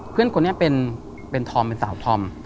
เพื่อนคนนี้เป็นธอมเป็นสาวธอม